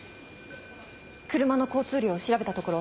車の交通量を調べたところ